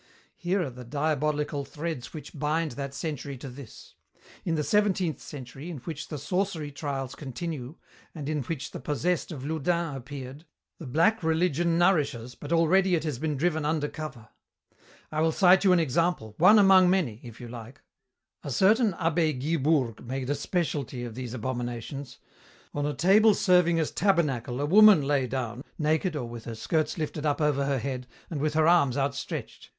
Here are the diabolical threads which bind that century to this. In the seventeenth century, in which the sorcery trials continue, and in which the 'possessed' of Loudun appear, the black religion nourishes, but already it has been driven under cover. "I will cite you an example, one among many, if you like. "A certain abbé Guibourg made a specialty of these abominations. On a table serving as tabernacle a woman lay down, naked or with her skirts lifted up over her head, and with her arms outstretched.